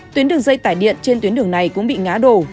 tuyến đường dây tải điện trên tuyến đường này cũng bị ngã đổ